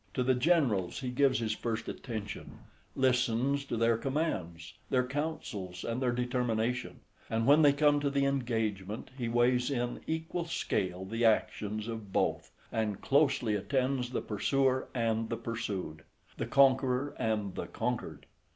To the generals he gives his first attention, listens to their commands, their counsels, and their determination; and, when they come to the engagement, he weighs in equal scale the actions of both, and closely attends the pursuer and the pursued, the conqueror and the conquered.